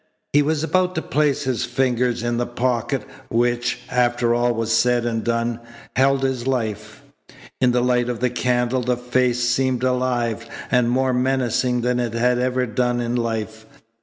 He was about to place his fingers in the pocket, which, after all was said and done, held his life. In the light of the candle the face seemed alive and more menacing than it had ever done in life.